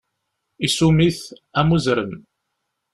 Isum-it, am uzrem.